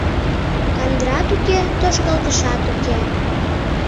Кандырат уке, тошкалтышат уке.